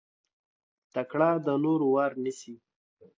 تکړه د نورو وار نيسي.